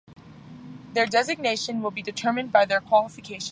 Their designation will be determined by their qualification seeding.